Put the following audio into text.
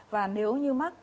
và nếu như mắc